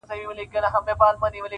اوس د زمریو له برېتونو سره لوبي کوي-